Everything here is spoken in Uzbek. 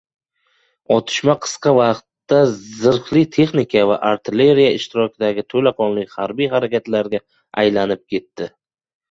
Otishma qisqa vaqtda zirhli texnika va artilleriya ishtirokidagi to‘laqonli harbiy harakatlarga aylanib ketdi